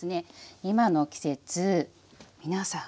今の季節皆さん